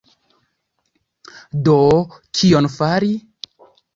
Do, kion fari?